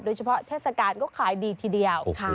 โดยเฉพาะเทศกาลก็ขายดีทีเดียว